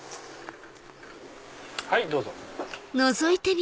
はいどうぞ。